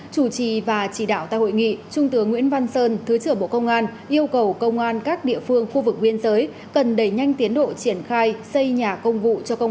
chủ trì và chỉ đạo tại hội nghị trung tướng nguyễn văn sơn thứ trưởng bộ công an yêu cầu công an các địa phương khu vực biên giới cần đẩy nhanh tiến độ triển khai xây nhà công vụ